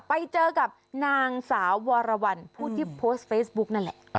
ไปเจอกับนางสาววรวรรณผู้ที่โพสต์เฟซบุ๊กนั่นแหละ